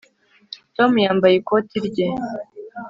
Tom yambaye ikoti rye